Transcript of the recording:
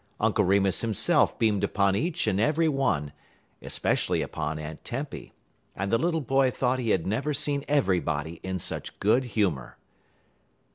Uncle Remus himself beamed upon each and every one, especially upon Aunt Tempy; and the little boy thought he had never seen everybody in such good humor.